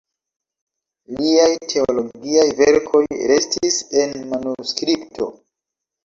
Liaj teologiaj verkoj restis en manuskripto.